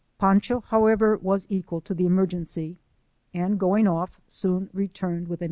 Pancho, however, was equal to the emergency, and, going off, soon returned with a nutate.